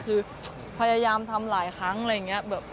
คือพยายามทำหลายครั้งอะไรอย่างนี้